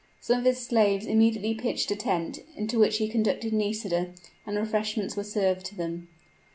Some of his slaves immediately pitched a tent, into which he conducted Nisida; and refreshments were served to them.